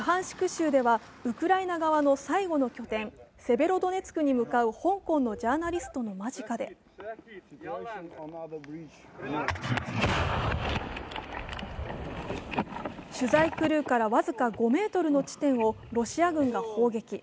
州ではウクライナ側の最後の拠点セベロドネツクに向かう香港のジャーナリストの間近で、取材クルーから僅か５ｍの地点をロシア軍が砲撃。